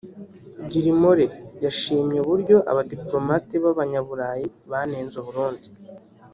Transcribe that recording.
Gilmore yashimye uburyo abadipolomate b’Abanyaburayi banenze u Burundi